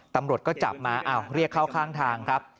ตำรวจก็จับมาเรียกเข้าข้างทางครับ